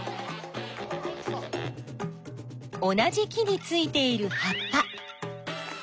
同じ木についているはっぱ。